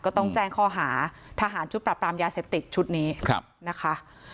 ก็ต้องแจ้งข้อหาทหารชุดปรับปรามยาเสพติดชุดนี้นะคะ